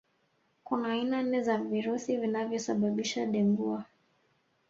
Kuna aina nne za virusi vinavyosababisha Dengua